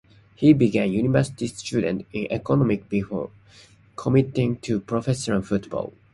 He began university studies in economics before committing to professional football.